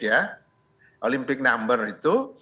ya olimpic number itu